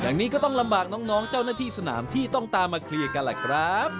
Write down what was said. อย่างนี้ก็ต้องลำบากน้องเจ้าหน้าที่สนามที่ต้องตามมาเคลียร์กันแหละครับ